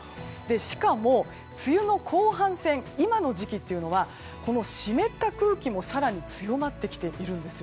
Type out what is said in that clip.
しかも梅雨の後半戦今の時期というのは湿った空気も更に強まってきているんです。